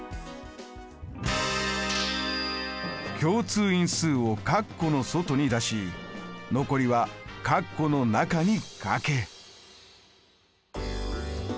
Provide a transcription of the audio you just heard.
共通因数を括弧の外に出し残りは括弧の中に書け。